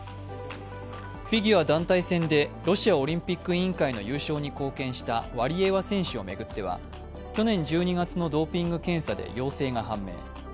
フィギュア団体戦でロシアオリンピック委員会の優勝に貢献したワリエワ選手を巡っては去年１２月のドーピング検査で陽性が判明。